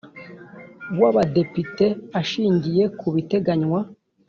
W abadepite ashingiye ku biteganywa